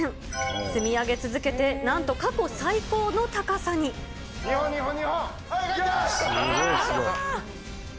積み上げ続けて、なんと過去最高２本、２本、２本。